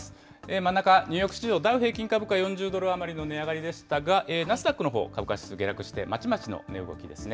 真ん中、ニューヨーク市場、ダウ平均株価、４０ドル余りの値上がりでしたが、ナスダックのほう、株価指数下落して、まちまちの値動きですね。